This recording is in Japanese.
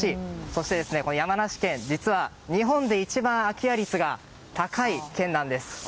そして、山梨県実は日本で一番空き家率が高い県なんです。